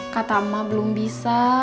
kata emak belum bisa